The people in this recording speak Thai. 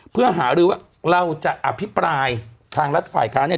เพื่อหารือว่าเราจะอภิปรายทางรัฐฝ่ายค้าเนี่ย